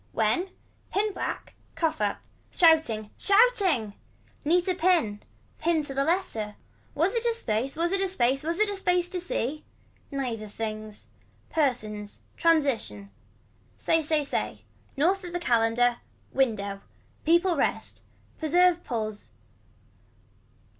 When. Pin black. Cough or up. Shouting. Shouting. Neater pin. Pinned to the letter. Was it a space was it a space was it a space to see. Neither things. Persons. Transition. Say say say. North of the calender. Window. Peoples rest. Preserve pulls.